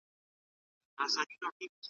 هغه زه یم چي په غېږ کي افلاطون مي دی روزلی ,